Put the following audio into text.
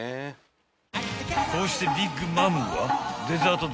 ［こうしてビッグ・マムはデザート